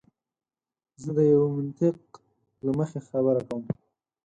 زه د یوه منطق له مخې خبره کوم.